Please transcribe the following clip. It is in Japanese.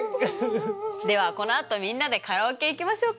ではこのあとみんなでカラオケ行きましょうか。